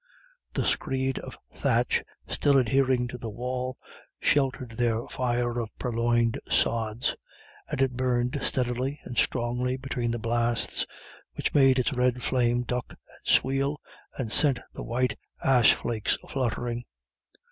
The screed of thatch still adhering to the wall sheltered their fire of purloined sods, and it burned steadily and strongly between the blasts which made its red flame duck and sweel, and sent the white ash flakes fluttering.